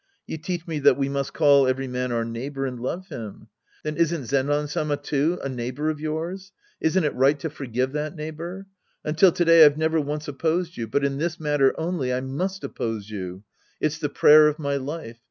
You teach me that we must call every man our neighbor and love him. Then isn't Zenran Sama, too, a neighbor of yours. Isn't it right to forgive that neighbor? Until to day I've never once opposed you. But in this matter only I must oppose you. It's the prayer of my life.